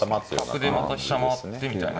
角で飛車回ってみたいな。